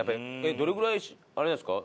どれぐらいあれなんですか？